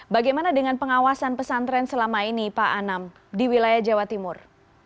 bagaimana dengan pengawasan pesantren selama ini pak anam di wilayah jawa timur